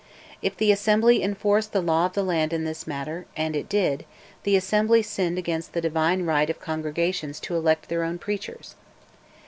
If the Assembly enforced the law of the land in this matter (and it did), the Assembly sinned against the divine right of congregations to elect their own preachers.